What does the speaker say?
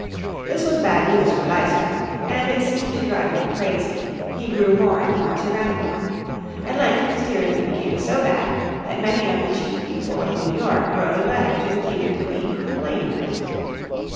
This was bad news for Leisler, and it seemed to drive him crazy. He grew more and more tyrannical. At length his tyranny became so bad that many of the chief people of New York wrote a letter to the King and Queen complaining of it.